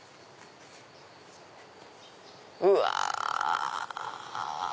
うわ！